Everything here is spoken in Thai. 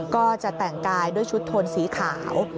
ก็จะแต่งกายด้วยชุดโทนสีขาว